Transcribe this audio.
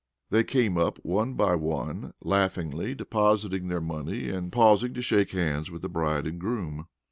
They came up one by one, laughingly depositing their money, and pausing to shake hands with the bride and groom.